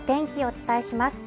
お伝えします